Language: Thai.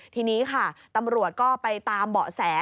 ทีนี้ค่ะตำรวจก็ไปตามเบาะแส